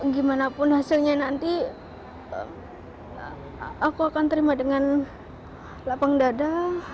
gimanapun hasilnya nanti aku akan terima dengan lapang dada